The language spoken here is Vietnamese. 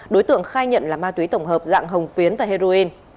đối tượng khai nhận là ma túy tổng hợp dạng hồng phiến và heroin